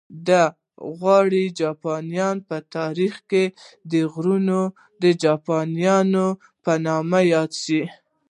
د غور پاچاهان په تاریخ کې د غرونو د پاچاهانو په نوم یادېدل